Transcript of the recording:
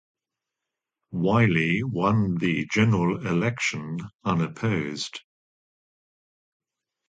Wiley won the general election unopposed.